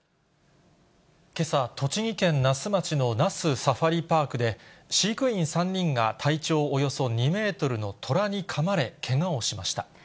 けさ、栃木県那須町の那須サファリパークで、飼育員３人が体長およそ２メートルのトラにかまれ、けがをしまし